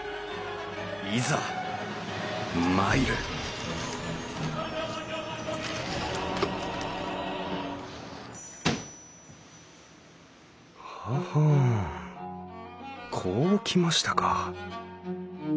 いざ参るははんこうきましたか。